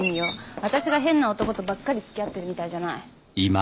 あたしが変な男とばっかり付き合ってるみたいじゃない。